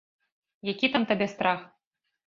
Які там табе страх?